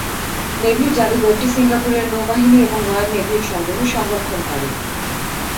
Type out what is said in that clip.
নেভির যাদুঘরটি সিঙ্গাপুরের নৌবাহিনী এবং রয়েল নেভির সংগ্রহ সংরক্ষণ করে।